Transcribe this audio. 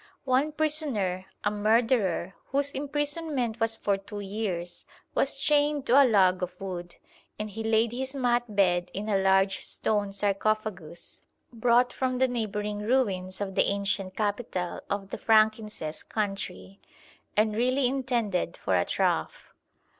One prisoner, a murderer, whose imprisonment was for two years, was chained to a log of wood, and he laid his mat bed in a large stone sarcophagus, brought from the neighbouring ruins of the ancient capital of the frankincense country, and really intended for a trough.